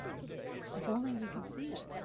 If only we could see it.